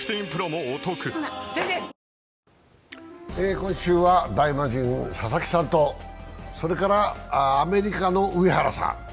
今週は大魔神・佐々木さんとそれから、アメリカの上原さん。